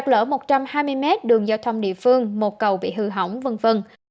lỡ một trăm hai mươi m đường giao thông địa phương một cầu bị hư hỏng v v